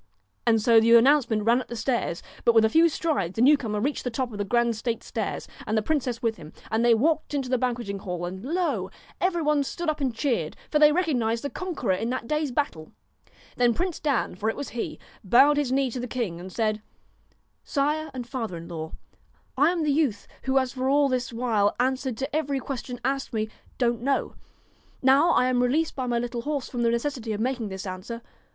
And so the announcement ran up the stairs, but with a few strides the new comer reached the top of the grand state stairs, and the princess with him, and they walked into the banqueting hall and lo ! every one stood up and cheered, for they recognised the conqueror in that day's battle. Then Prince Dan, for it was he, bowed his knee to the king, and said :' Sire and father in law, I am the youth who has for all this while answered to every question asked me, Don't know. Now I am re leased by my little horse from the necessity of making this answer.